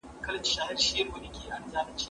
مېوې وچ کړه؟